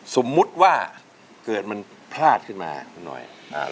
สมมุติว่าเกิดมันพลาดขึ้นมาคุณหน่อย